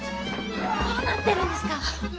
どうなってるんですか！